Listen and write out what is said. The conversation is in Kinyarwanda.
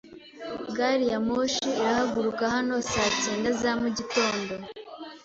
Gari ya moshi irahaguruka hano saa cyenda za mugitondo